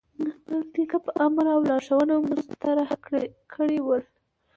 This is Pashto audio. د خپل نیکه په امر او لارښوونه مسطر کړي ول.